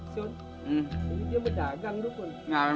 sud ini dia berdagang dukun